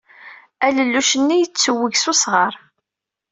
Alelluc-nni yettweg s usɣar.